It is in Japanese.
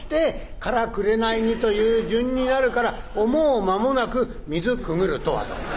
『からくれないに』という順になるから思う間もなく『水くぐるとは』と。